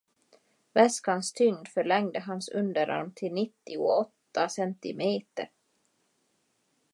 Väskans tyngd förlängde hans underarm till nittioåtta centimeter